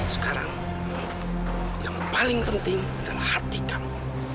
sekarang yang paling penting adalah hati kamu